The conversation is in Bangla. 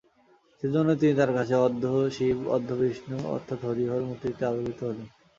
সেইজন্য তিনি তার কাছে অর্ধশিব অর্ধবিষ্ণু অর্থাৎ হরিহর-মূর্তিতে আবির্ভূত হলেন।